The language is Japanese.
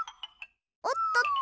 おっとっと。